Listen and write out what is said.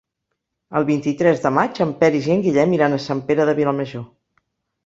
El vint-i-tres de maig en Peris i en Guillem iran a Sant Pere de Vilamajor.